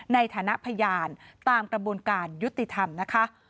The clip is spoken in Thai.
ในฐานะพยานตามกระบวนการยุติธรรมนะคะ